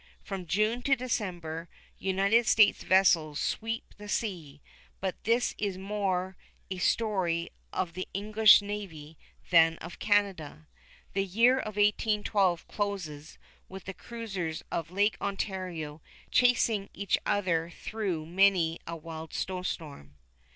From June to December, United States vessels sweep the sea; but this is more a story of the English navy than of Canada. The year of 1812 closes with the cruisers of Lake Ontario chasing each other through many a wild snowstorm.